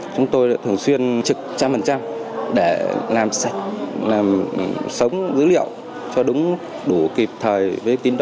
chúng tôi thường xuyên trực trăm phần trăm để làm sạch làm sống dữ liệu cho đúng đủ kịp thời với tín độ